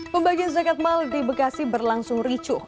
pembagian zakat mal di bekasi berlangsung ricuh